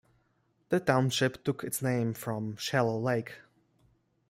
The township took its name from Shell Lake.